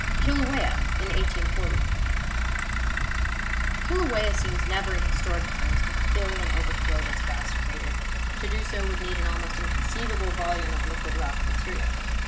KILAUEA IN 1840 Kilauea seems never, in historic times, to have filled and overflowed its vast crater. To do so would need an almost inconceivable volume of liquid rock material.